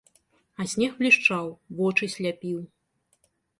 А снег блішчаў, вочы сляпіў.